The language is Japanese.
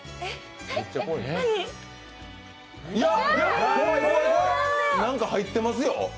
怖い、怖い、何か入ってますよ。